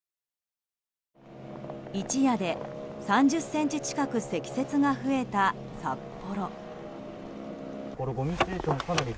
一夜で３０ｃｍ近く積雪が増えた札幌。